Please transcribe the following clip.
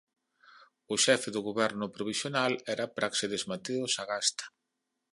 O xefe de goberno provisional era Práxedes Mateo Sagasta.